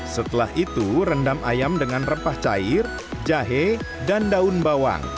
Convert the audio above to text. setelah itu rendam ayam dengan rempah cair jahe dan daun bawang